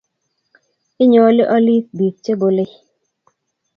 inyooli olik biik chebolei